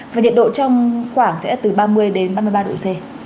và nhiệt độ trong khoảng sẽ từ ba mươi đến ba mươi ba độ c